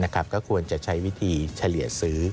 ก็ควรจะใช้วิธีเฉลี่ยซื้อ